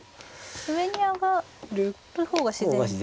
上に上がる方が自然でしょうか。